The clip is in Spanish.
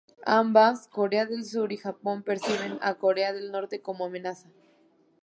Ambas Corea del Sur y Japón perciben a Corea del Norte como amenaza.